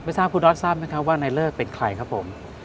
ทราบคุณดอสทราบไหมครับว่านายเลิกเป็นใครครับผม